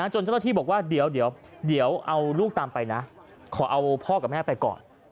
จนเจ้าหน้าที่บอกว่าเดี๋ยวเอาลูกตามไปนะขอเอาพ่อกับแม่ไปก่อน